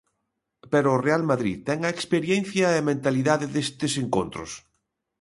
Pero o Real Madrid ten a experiencia e a mentalidade destes encontros.